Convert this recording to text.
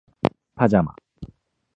パジャマ